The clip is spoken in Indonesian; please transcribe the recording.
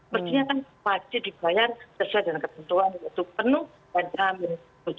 maksudnya kan wajib dibayar sesuai dengan ketentuan untuk penuh dan hal min tujuh